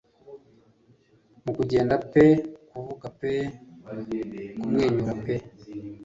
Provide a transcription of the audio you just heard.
Mu kugenda pe kuvuga pe kumwenyura pe